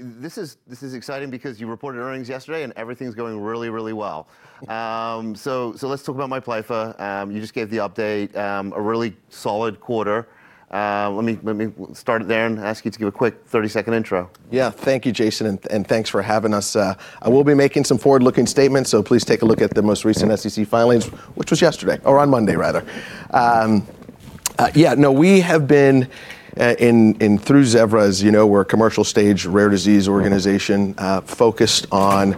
This is exciting because you reported earnings yesterday and everything's going really, really well. Yeah. Let's talk about MIPLYFFA. You just gave the update. A really solid quarter. Let me start it there and ask you to give a quick 30-second intro. Yeah. Thank you, Jason, and thanks for having us. I will be making some forward-looking statements, so please take a look at the most recent SEC filings, which was yesterday, or on Monday rather. We have been through Zevra, as you know, we're a commercial-stage rare disease organization, focused on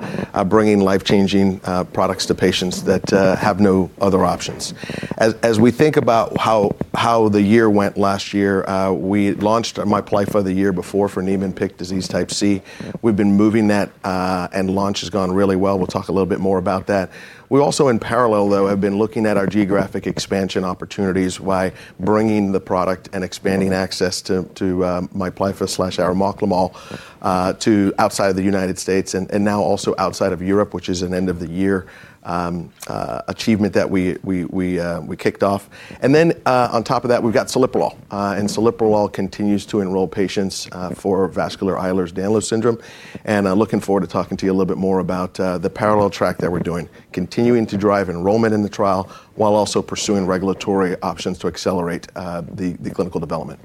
bringing life-changing products to patients that have no other options. As we think about how the year went last year, we launched MIPLYFFA the year before for Niemann-Pick disease type C. We've been moving that, and launch has gone really well. We'll talk a little bit more about that. We also, in parallel though, have been looking at our geographic expansion opportunities by bringing the product and expanding access to MIPLYFFA/arimoclomol to outside of the United States and now also outside of Europe, which is an end of the year achievement that we kicked off. Then, on top of that, we've got Celiprolol. Celiprolol continues to enroll patients for vascular Ehlers-Danlos syndrome. I'm looking forward to talking to you a little bit more about the parallel track that we're doing, continuing to drive enrollment in the trial while also pursuing regulatory options to accelerate the clinical development.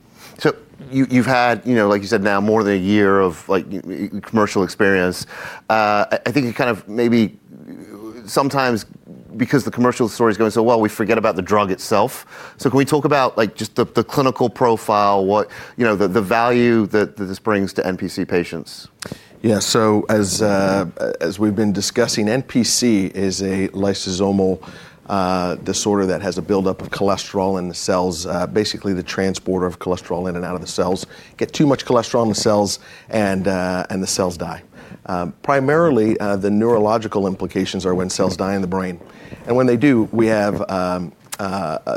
You've had, you know, like you said now, more than a year of, like, commercial experience. I think you kind of maybe sometimes because the commercial story is going so well, we forget about the drug itself. Can we talk about, like, just the clinical profile, what, you know, the value that this brings to NPC patients? Yeah. As we've been discussing, NPC is a lysosomal disorder that has a buildup of cholesterol in the cells, basically the transporter of cholesterol in and out of the cells. Get too much cholesterol in the cells and the cells die. Primarily, the neurological implications are when cells die in the brain. When they do, we have a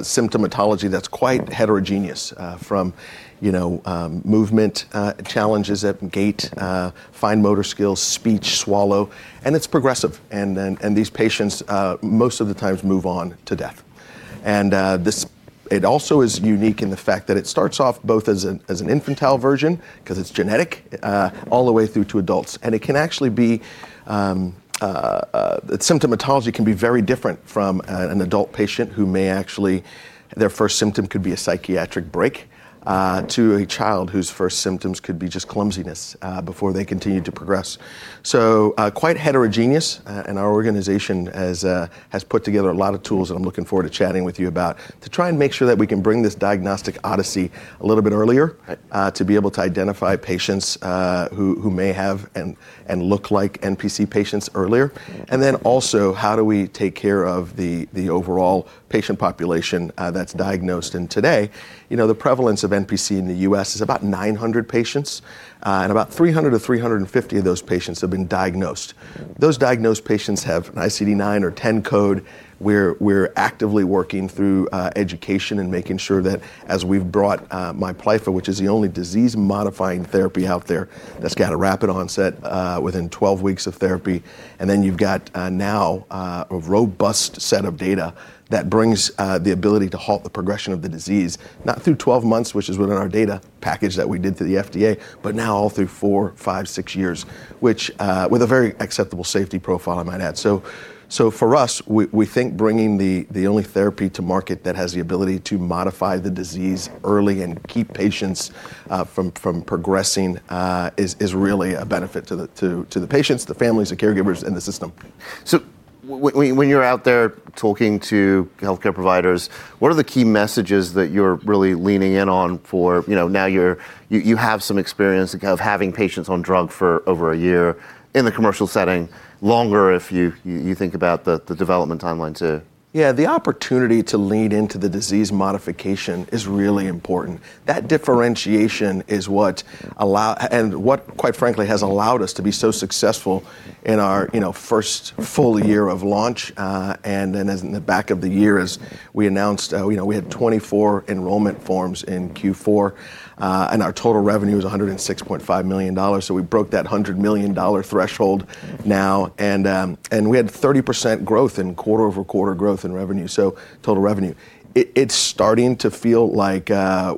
symptomatology that's quite heterogeneous, from you know movement challenges at gait, fine motor skills, speech, swallow, and it's progressive. These patients most of the times move on to death. It also is unique in the fact that it starts off both as an infantile version because it's genetic, all the way through to adults. It can actually be. Its symptomatology can be very different from an adult patient. Their first symptom could be a psychiatric break, to a child whose first symptoms could be just clumsiness before they continue to progress. Quite heterogeneous. Our organization has put together a lot of tools, and I'm looking forward to chatting with you about to try and make sure that we can bring this diagnostic odyssey a little bit earlier. Right. To be able to identify patients who may have and look like NPC patients earlier. Then also, how do we take care of the overall patient population that's diagnosed? Today, you know, the prevalence of NPC in the U.S. is about 900 patients, and about 300-350 of those patients have been diagnosed. Those diagnosed patients have an ICD-9 or ICD-10 code. We're actively working through education and making sure that as we've brought MIPLYFFA, which is the only disease-modifying therapy out there that's got a rapid onset within 12 weeks of therapy. You've got now a robust set of data that brings the ability to halt the progression of the disease, not through 12 months, which is within our data package that we did through the FDA, but now all through four, five, six years, which with a very acceptable safety profile, I might add. So for us, we think bringing the only therapy to market that has the ability to modify the disease early and keep patients from progressing is really a benefit to the patients, the families, the caregivers, and the system. When you're out there talking to healthcare providers, what are the key messages that you're really leaning in on for, you know, you have some experience of having patients on drug for over a year in the commercial setting longer if you think about the development timeline too? Yeah. The opportunity to lean into the disease modification is really important. That differentiation is what, quite frankly, has allowed us to be so successful in our, you know, first full year of launch. And then in the back of the year, as we announced, you know, we had 24 enrollment forms in Q4, and our total revenue is $106.5 million. We broke that hundred million dollar threshold now. And we had 30% growth in quarter-over-quarter growth in revenue. Total revenue. It's starting to feel like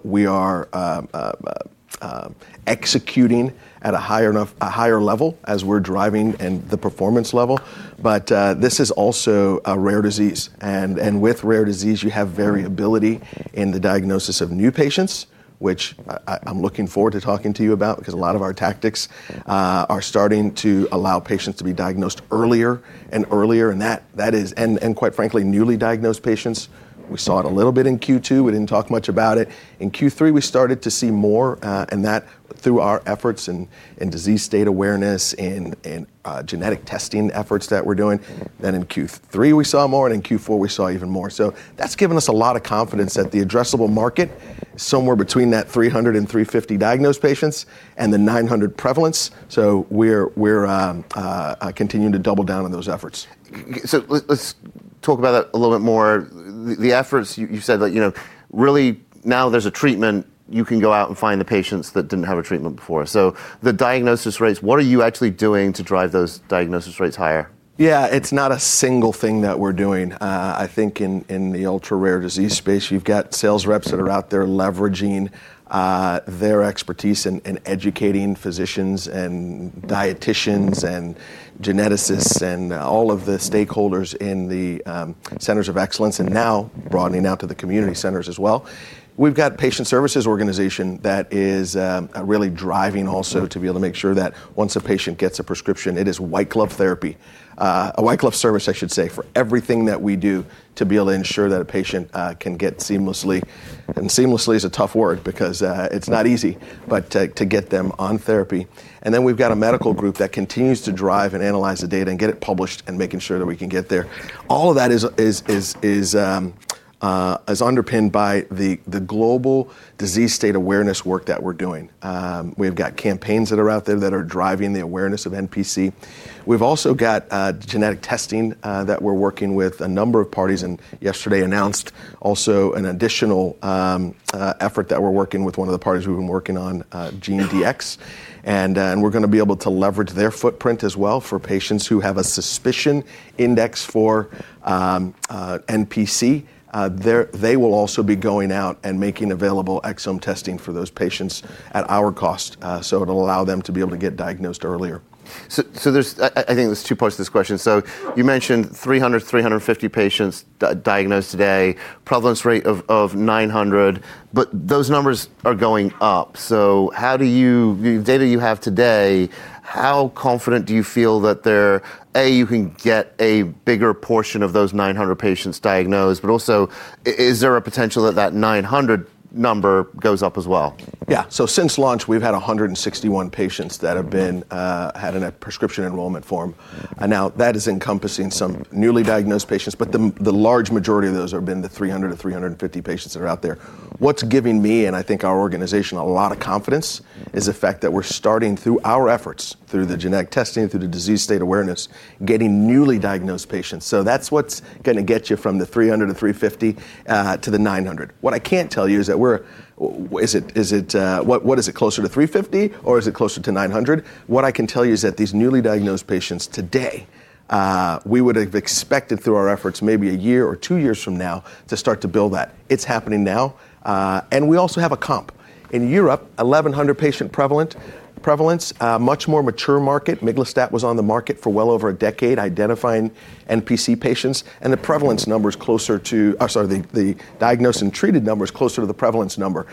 we are executing at a higher level as we're driving up the performance level. This is also a rare disease. With rare disease, you have variability in the diagnosis of new patients, which I'm looking forward to talking to you about because a lot of our tactics are starting to allow patients to be diagnosed earlier and earlier. Quite frankly, newly diagnosed patients, we saw it a little bit in Q2. We didn't talk much about it. In Q3, we started to see more and that's through our efforts in genetic testing efforts that we're doing. In Q3, we saw more, and in Q4, we saw even more. That's given us a lot of confidence that the addressable market is somewhere between that 300 and 350 diagnosed patients and the 900 prevalence. We're continuing to double-down on those efforts. Let's talk about that a little bit more. The efforts you've said, like, you know, really now there's a treatment, you can go out and find the patients that didn't have a treatment before. The diagnosis rates, what are you actually doing to drive those diagnosis rates higher? Yeah. It's not a single thing that we're doing. I think in the ultra-rare disease space, you've got sales reps that are out there leveraging their expertise in educating physicians and dieticians and geneticists and all of the stakeholders in the centers of excellence and now broadening out to the community centers as well. We've got patient services organization that is really driving also to be able to make sure that once a patient gets a prescription, it is white glove therapy. A white glove service, I should say, for everything that we do to be able to ensure that a patient can get seamlessly, and seamlessly is a tough word because it's not easy, but to get them on therapy. We've got a medical group that continues to drive and analyze the data and get it published and making sure that we can get there. All of that is underpinned by the global disease state awareness work that we're doing. We've got campaigns that are out there that are driving the awareness of NPC. We've also got genetic testing that we're working with a number of parties, and yesterday announced also an additional effort that we're working with one of the parties we've been working on, GeneDx. We're gonna be able to leverage their footprint as well for patients who have an index of suspicion for NPC. They will also be going out and making available exome testing for those patients at our cost. It'll allow them to be able to get diagnosed earlier. I think there's two parts to this question. You mentioned 350 patients diagnosed today, prevalence rate of 900, but those numbers are going up. The data you have today, how confident do you feel that they're A, you can get a bigger portion of those 900 patients diagnosed, but also is there a potential that that 900 number goes up as well? Yeah. Since launch, we've had 161 patients that have had a prescription enrollment form, and now that is encompassing some newly diagnosed patients, but the large majority of those have been the 300-350 patients that are out there. What's giving me and I think our organization a lot of confidence is the fact that we're starting, through our efforts, through the genetic testing, through the disease state awareness, getting newly diagnosed patients. That's what's gonna get you from 300 to 350 to 900. What I can't tell you is what is it closer to, 350, or is it closer to 900? What I can tell you is that these newly diagnosed patients today, we would have expected through our efforts maybe a year or two years from now to start to build that. It's happening now, and we also have a comp. In Europe, 1,100 patient prevalence, a much more mature market. Miglustat was on the market for well over a decade identifying NPC patients, and the prevalence number is closer to or sorry, the diagnosed and treated number is closer to the prevalence number.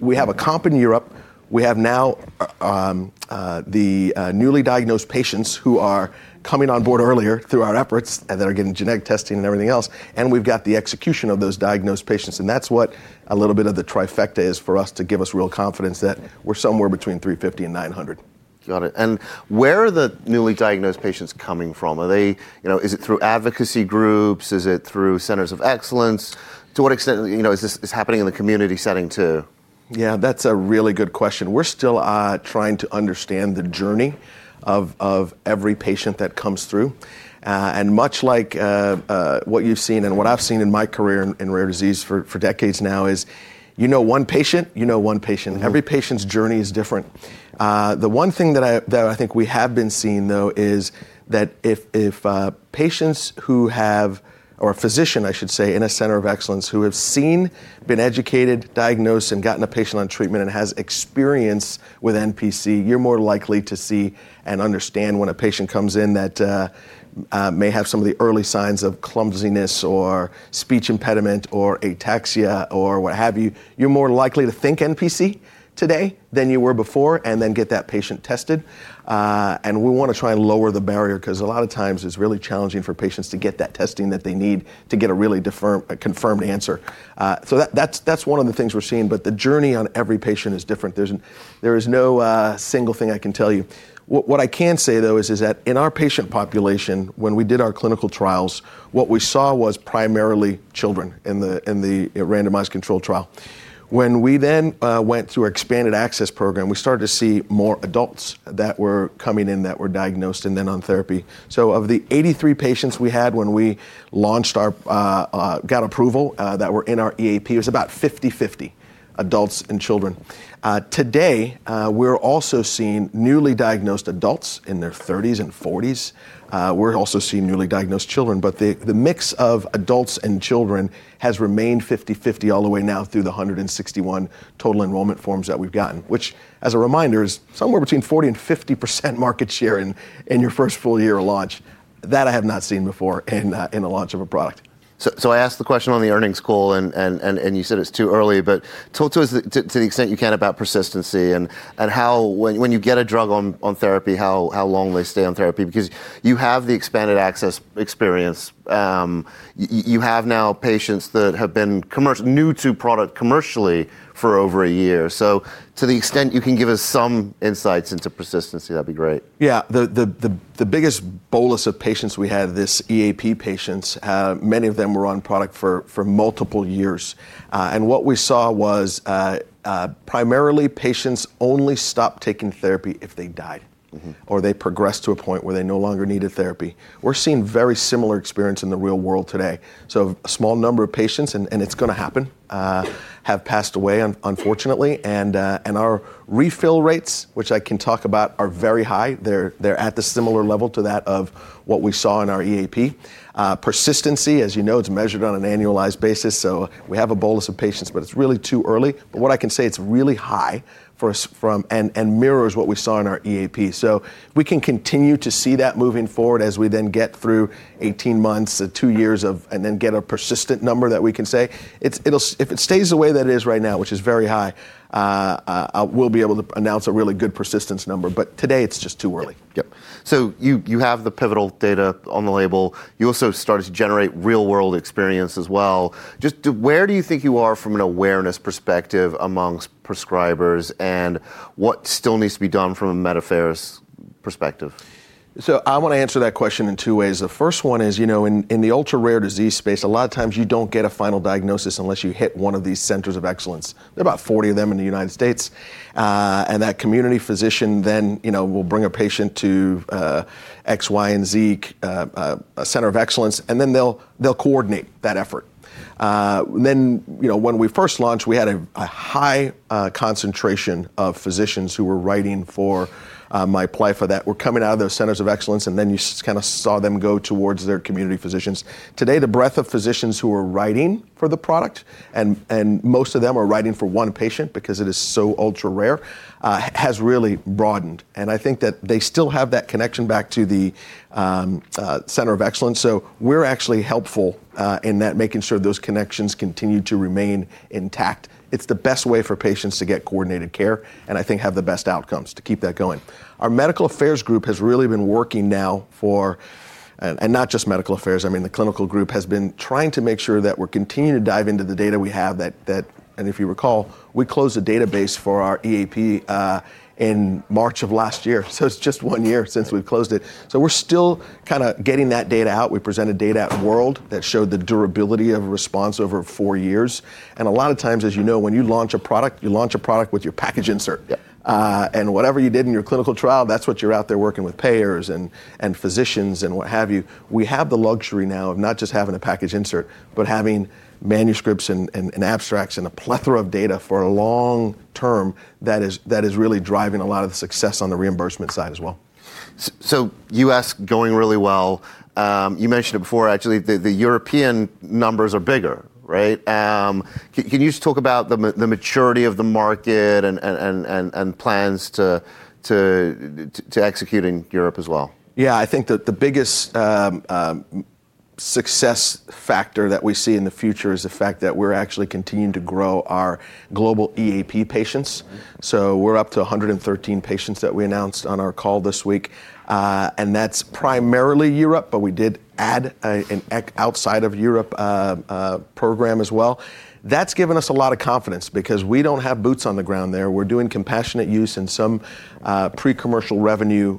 We have a comp in Europe. We have now the newly diagnosed patients who are coming on board earlier through our efforts and that are getting genetic testing and everything else, and we've got the execution of those diagnosed patients, and that's what a little bit of the trifecta is for us to give us real confidence that we're somewhere between 350 and 900. Got it. Where are the newly diagnosed patients coming from? Are they, you know, is it through advocacy groups? Is it through centers of excellence? To what extent, you know, is this happening in the community setting too? Yeah. That's a really good question. We're still trying to understand the journey of every patient that comes through. Much like what you've seen and what I've seen in my career in rare disease for decades now is you know one patient. Mm-hmm. Every patient's journey is different. The one thing that I think we have been seeing, though, is that if a physician, I should say, in a center of excellence who have seen, been educated, diagnosed, and gotten a patient on treatment and has experience with NPC, you're more likely to see and understand when a patient comes in that may have some of the early signs of clumsiness or speech impediment or ataxia or what have you. You're more likely to think NPC today than you were before and then get that patient tested. We wanna try and lower the barrier 'cause a lot of times it's really challenging for patients to get that testing that they need to get a really definitive confirmed answer. That's one of the things we're seeing. The journey on every patient is different. There is no single thing I can tell you. What I can say, though, is that in our patient population, when we did our clinical trials, what we saw was primarily children in the randomized controlled trial. When we then went through our expanded access program, we started to see more adults that were coming in that were diagnosed and then on therapy. Of the 83 patients we had when we got approval, that were in our EAP, it was about 50/50, adults and children. Today, we're also seeing newly diagnosed adults in their 30s and 40s. We're also seeing newly diagnosed children, but the mix of adults and children has remained 50/50 all the way now through the 161 total enrollment forms that we've gotten, which as a reminder is somewhere between 40%-50% market share in your first full year of launch. That I have not seen before in the launch of a product. I asked the question on the earnings call, and you said it's too early, but talk to us to the extent you can about persistency and how when you get a drug on therapy how long they stay on therapy, because you have the expanded access experience. You have now patients that have been new to product commercially for over a year. To the extent you can give us some insights into persistency, that'd be great. Yeah. The biggest bolus of patients we had, these EAP patients, many of them were on product for multiple years. What we saw was, primarily, patients only stopped taking therapy if they died. Mm-hmm. They progressed to a point where they no longer needed therapy. We're seeing very similar experience in the real world today. A small number of patients, and it's gonna happen, have passed away unfortunately. Our refill rates, which I can talk about, are very high. They're at the similar level to that of what we saw in our EAP. Persistency, as you know, it's measured on an annualized basis, so we have a bolus of patients, but it's really too early. What I can say, it's really high and mirrors what we saw in our EAP. We can continue to see that moving forward as we then get through 18 months, two years and then get a persistent number that we can say. If it stays the way that it is right now, which is very high, we'll be able to announce a really good persistence number. Today it's just too early. Yep, yep. You have the pivotal data on the label. You also started to generate real world experience as well. Just where do you think you are from an awareness perspective among prescribers, and what still needs to be done from a med affairs perspective? I wanna answer that question in two ways. The first one is, you know, in the ultra-rare disease space, a lot of times you don't get a final diagnosis unless you hit one of these centers of excellence. There are about 40 of them in the United States. That community physician then, you know, will bring a patient to X, Y, and Z, a center of excellence, and then they'll coordinate that effort. You know, when we first launched, we had a high concentration of physicians who were writing for MIPLYFFA that were coming out of those centers of excellence, and then you kind of saw them go towards their community physicians. Today, the breadth of physicians who are writing for the product, and most of them are writing for one patient because it is so ultra-rare, has really broadened. I think that they still have that connection back to the center of excellence. We're actually helpful in that making sure those connections continue to remain intact. It's the best way for patients to get coordinated care and I think have the best outcomes to keep that going. Our medical affairs group has really been working now for and not just medical affairs. I mean, the clinical group has been trying to make sure that we're continuing to dive into the data we have that and if you recall, we closed the database for our EAP in March of last year, so it's just one year since we've closed it. We're still kinda getting that data out. We presented data at WORLDSymposium that showed the durability of a response over four years. A lot of times, as you know, when you launch a product, you launch a product with your package insert. Yeah. Whatever you did in your clinical trial, that's what you're out there working with payers and physicians and what have you. We have the luxury now of not just having a package insert, but having manuscripts and abstracts and a plethora of data for a long term that is really driving a lot of the success on the reimbursement side as well. U.S. going really well. You mentioned it before actually, the European numbers are bigger, right? Can you just talk about the maturity of the market and plans to execute in Europe as well? Yeah. I think the biggest success factor that we see in the future is the fact that we're actually continuing to grow our global EAP patients. Right. We're up to 113 patients that we announced on our call this week. That's primarily Europe, but we did add an EAP program outside of Europe as well. That's given us a lot of confidence because we don't have boots on the ground there. We're doing compassionate use and some pre-commercial revenue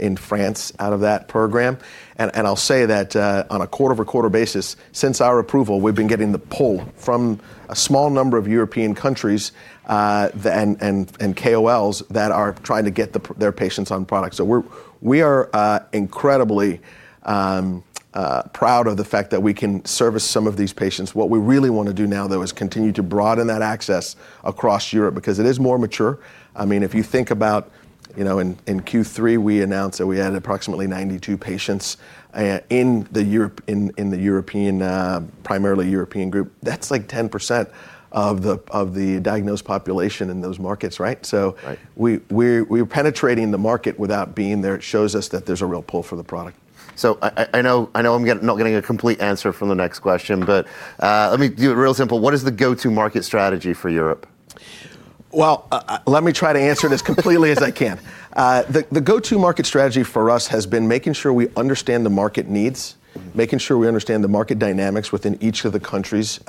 in France out of that program. I'll say that on a quarter-over-quarter basis, since our approval, we've been getting the pull from a small number of European countries and KOLs that are trying to get their patients on product. We are incredibly proud of the fact that we can service some of these patients. What we really wanna do now, though, is continue to broaden that access across Europe because it is more mature. I mean, if you think about, you know, in Q3, we announced that we added approximately 92 patients in the European, primarily European group. That's like 10% of the diagnosed population in those markets, right? Right. We're penetrating the market without being there. It shows us that there's a real pull for the product. I know I'm not getting a complete answer from the next question, but let me do it real simple. What is the go-to market strategy for Europe? Well, let me try to answer it as completely as I can. The go-to market strategy for us has been making sure we understand the market needs, making sure we understand the market dynamics within each of the countries,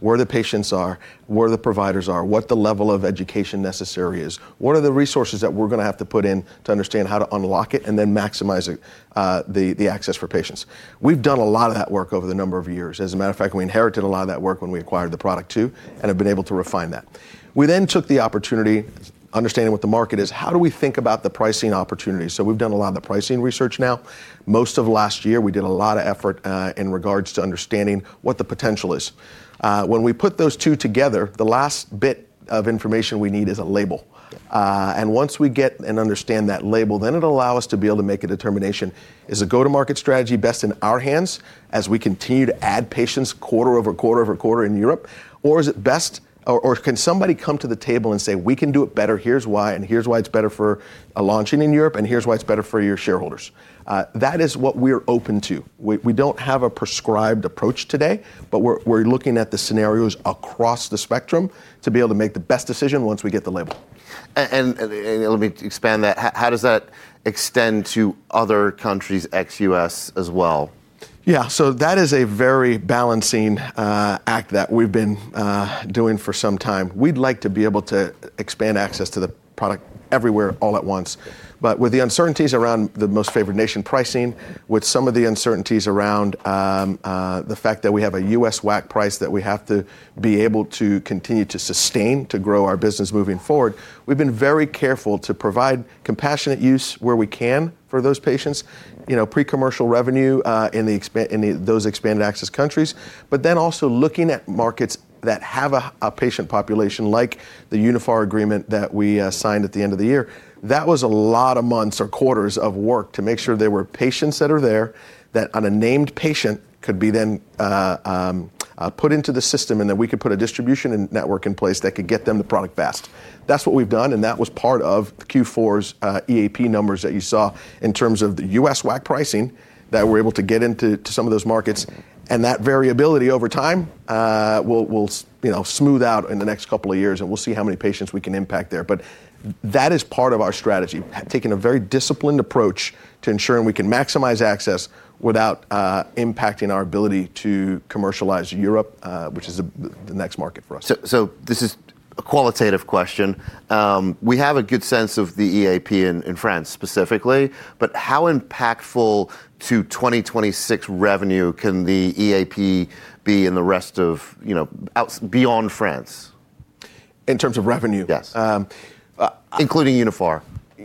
where the patients are, where the providers are, what the level of education necessary is, what are the resources that we're gonna have to put in to understand how to unlock it, and then maximizing the access for patients. We've done a lot of that work over the number of years. As a matter of fact, we inherited a lot of that work when we acquired the product too, and have been able to refine that. We then took the opportunity, understanding what the market is, how do we think about the pricing opportunities. We've done a lot of the pricing research now. Most of last year, we did a lot of effort in regards to understanding what the potential is. When we put those two together, the last bit of information we need is a label, and once we get and understand that label, then it'll allow us to be able to make a determination, is a go-to-market strategy best in our hands as we continue to add patients quarter-over-quarter-over-quarter in Europe, or is it best. Or can somebody come to the table and say, "We can do it better. Here's why, and here's why it's better for launching in Europe, and here's why it's better for your shareholders." That is what we're open to. We don't have a prescribed approach today, but we're looking at the scenarios across the spectrum to be able to make the best decision once we get the label. Let me expand that. How does that extend to other countries ex-U.S. as well? Yeah. That is a very balancing act that we've been doing for some time. We'd like to be able to expand access to the product everywhere all at once, but with the uncertainties around the most-favored-nation pricing, with some of the uncertainties around the fact that we have a U.S. WAC price that we have to be able to continue to sustain to grow our business moving forward, we've been very careful to provide compassionate use where we can for those patients, you know, pre-commercial revenue in those expanded access countries, but then also looking at markets that have a patient population like the Uniphar agreement that we signed at the end of the year. That was a lot of months or quarters of work to make sure there were patients that are there, that on a named patient could be then put into the system, and that we could put a distribution network in place that could get them the product fast. That's what we've done, and that was part of Q4's EAP numbers that you saw in terms of the U.S. WAC pricing, that we're able to get into to some of those markets, and that variability over time will you know smooth out in the next couple of years, and we'll see how many patients we can impact there. That is part of our strategy. Yeah. Taking a very disciplined approach to ensuring we can maximize access without impacting our ability to commercialize Europe, which is the next market for us. This is a qualitative question. We have a good sense of the EAP in France specifically, but how impactful to 2026 revenue can the EAP be in the rest of, you know, out beyond France? In terms of revenue? Yes. Um, uh- Including Uniphar.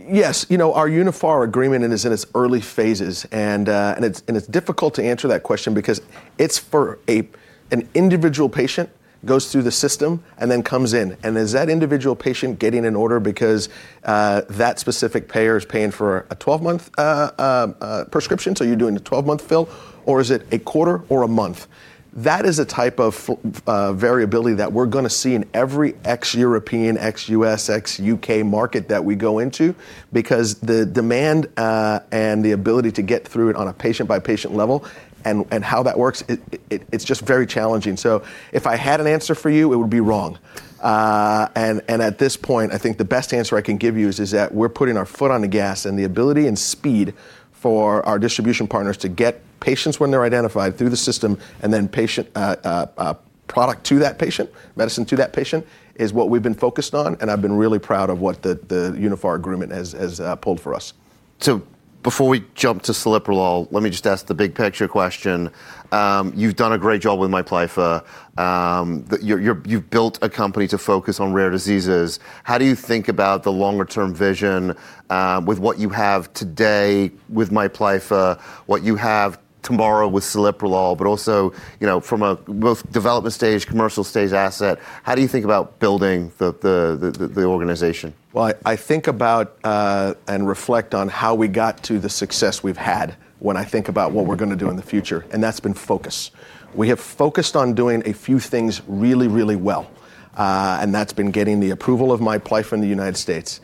Yes. You know, our Uniphar agreement is in its early phases, and it's difficult to answer that question because it's for an individual patient goes through the system and then comes in. Is that individual patient getting an order because that specific payer is paying for a 12-month prescription, so you're doing a 12-month fill, or is it a quarter or a month? That is a type of variability that we're gonna see in every ex-European, ex-U.S., ex-U.K. market that we go into because the demand and the ability to get through it on a patient-by-patient level and how that works, it's just very challenging. If I had an answer for you, it would be wrong. At this point, I think the best answer I can give you is that we're putting our foot on the gas, and the ability and speed for our distribution partners to get patients when they're identified through the system and then product to that patient, medicine to that patient, is what we've been focused on, and I've been really proud of what the Uniphar agreement has pulled for us. Before we jump to Celiprolol, let me just ask the big picture question. You've done a great job with MIPLYFFA. You've built a company to focus on rare diseases. How do you think about the longer term vision, with what you have today with MIPLYFFA, what you have tomorrow with Celiprolol, but also, you know, from a both development stage, commercial stage asset, how do you think about building the organization? Well, I think about and reflect on how we got to the success we've had when I think about what we're gonna do in the future, and that's been focus. We have focused on doing a few things really, really well, and that's been getting the approval of MIPLYFFA in the United States,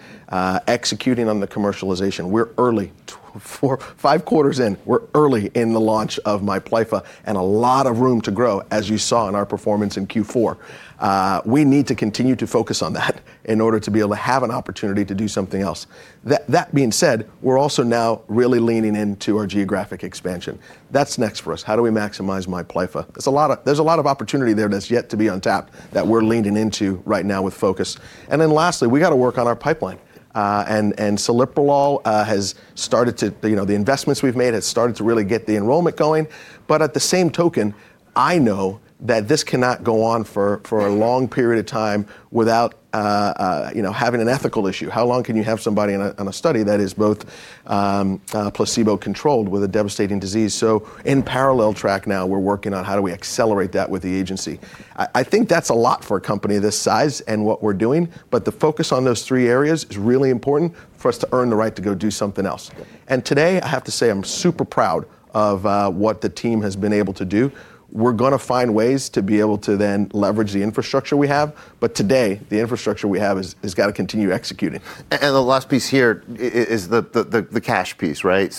executing on the commercialization. We're early. Four, five quarters in, we're early in the launch of MIPLYFFA, and a lot of room to grow, as you saw in our performance in Q4. We need to continue to focus on that in order to be able to have an opportunity to do something else. That being said, we're also now really leaning into our geographic expansion. That's next for us. How do we maximize MIPLYFFA? There's a lot of opportunity there that's yet to be untapped that we're leaning into right now with focus. Lastly, we gotta work on our pipeline. Celiprolol has started to, you know, the investments we've made, it's started to really get the enrollment going, but at the same time, I know that this cannot go on for a long period of time without you know having an ethical issue. How long can you have somebody on a study that is placebo-controlled with a devastating disease? In parallel track now we're working on how do we accelerate that with the agency. I think that's a lot for a company this size and what we're doing, but the focus on those three areas is really important for us to earn the right to go do something else. Today, I have to say, I'm super proud of what the team has been able to do. We're gonna find ways to be able to then leverage the infrastructure we have, but today, the infrastructure we have has gotta continue executing. The last piece here is the cash piece, right?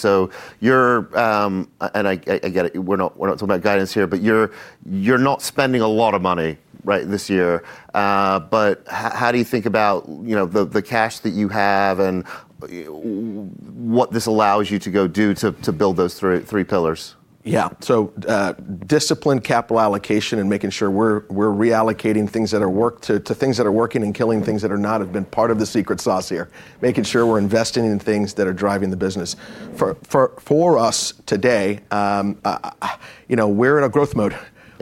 You're and I get it. We're not talking about guidance here, but you're not spending a lot of money, right, this year. How do you think about, you know, the cash that you have and what this allows you to go do to build those three pillars? Yeah. Disciplined capital allocation and making sure we're reallocating things that are working and killing things that are not have been part of the secret sauce here, making sure we're investing in things that are driving the business. For us today, you know, we're in a growth mode.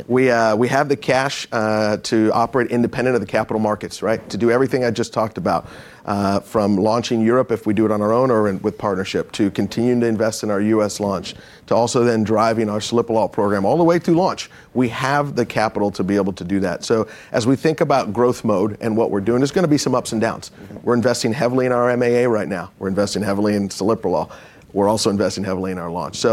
We have the cash to operate independent of the capital markets, right? To do everything I just talked about, from launching Europe, if we do it on our own or in partnership, to continuing to invest in our U.S. launch, to also then driving our Celiprolol program all the way through launch. We have the capital to be able to do that. As we think about growth mode and what we're doing, there's gonna be some ups and downs. Mm-hmm. We're investing heavily in our MAA right now. We're investing heavily in Celiprolol. We're also investing heavily in our launch.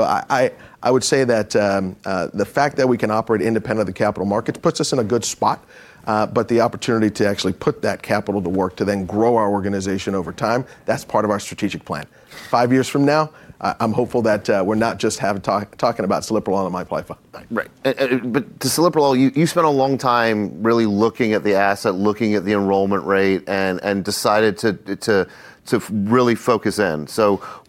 I would say that the fact that we can operate independent of the capital markets puts us in a good spot, but the opportunity to actually put that capital to work to then grow our organization over time, that's part of our strategic plan. Five years from now, I'm hopeful that we're not just talking about Celiprolol and MIPLYFFA. Right. The Celiprolol, you spent a long time really looking at the asset, looking at the enrollment rate, and decided to really focus in.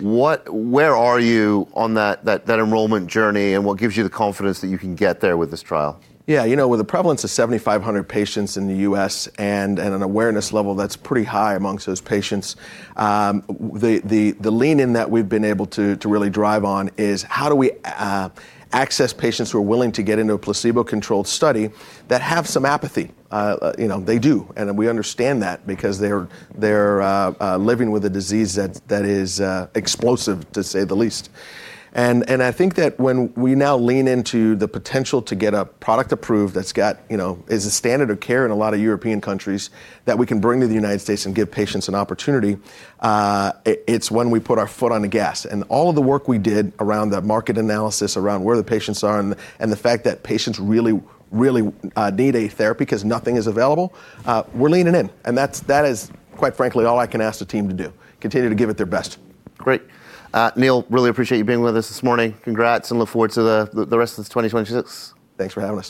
Where are you on that enrollment journey, and what gives you the confidence that you can get there with this trial? Yeah. You know, with the prevalence of 7,500 patients in the U.S. and an awareness level that's pretty high amongst those patients, the lean in that we've been able to really drive on is how do we access patients who are willing to get into a placebo-controlled study that have some apathy? You know, they do, and we understand that because they're living with a disease that is explosive to say the least. I think that when we now lean into the potential to get a product approved that's got, you know, is a standard of care in a lot of European countries that we can bring to the United States and give patients an opportunity, it's when we put our foot on the gas. All of the work we did around the market analysis, around where the patients are and the fact that patients really need a therapy 'cause nothing is available, we're leaning in. That is, quite frankly, all I can ask the team to do, continue to give it their best. Great. Neil, really appreciate you being with us this morning. Congrats, and look forward to the rest of this 2026. Thanks for having us.